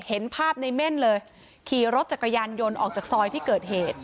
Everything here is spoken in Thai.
เห็นภาพในเม่นเลยขี่รถจักรยานยนต์ออกจากซอยที่เกิดเหตุ